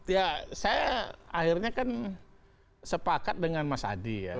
ya saya akhirnya kan sepakat dengan mas adi ya